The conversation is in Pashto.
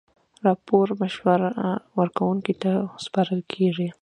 راپور مشوره ورکوونکي ته سپارل کیږي.